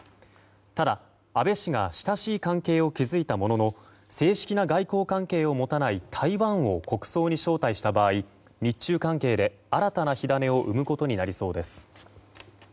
ただ、安倍氏が親しい関係を築いたものの正式な外交関係を持たない台湾を国葬に招待した場合日中関係で新たな火種を生むことになりそうです。